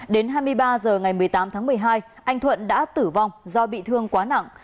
đến hai mươi ba h ngày một mươi tám tháng một mươi hai anh thuận đã tử vong do bị thương quá nặng